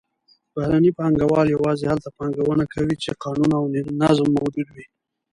بهرني پانګهوال یوازې هلته پانګونه کوي چې قانون او نظم موجود وي.